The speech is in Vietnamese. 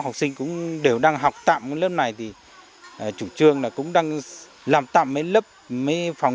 học sinh cũng đều đang học tạm cái lớp này thì chủ trương là cũng đang làm tạm mấy lớp mấy phòng